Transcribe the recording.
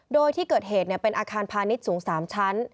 โดยที่เกิดเหตุเป็นอาคารพาณิชย์สูง๓ชั้น